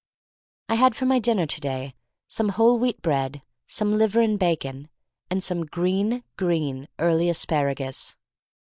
I had for my dinner ^to day some whole wheat bread, some liver and bacon, and some green, green early asparagus.